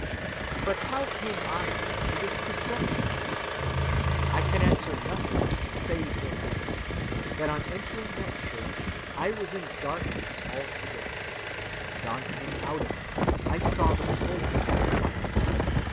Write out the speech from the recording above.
But how came I, then, to this perception of it? I can answer nothing save this, that on entering that church I was in darkness altogether, and on coming out of it I saw the fullness of the light.